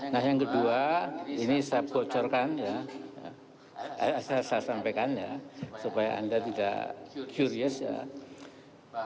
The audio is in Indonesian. nah yang kedua ini saya bocorkan ya saya sampaikan ya supaya anda tidak curious ya